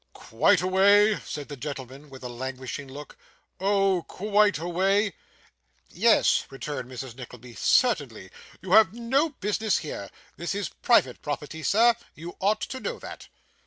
'Quite away?' said the gentleman, with a languishing look. 'Oh! quite away?' 'Yes,' returned Mrs. Nickleby, 'certainly. You have no business here. This is private property, sir; you ought to know that.